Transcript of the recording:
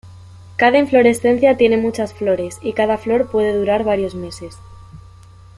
Cada inflorescencia tiene muchas flores y cada flor puede durar varios meses.